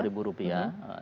masih subsidi dua ribu rupiah